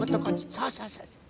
そうそうそうそう。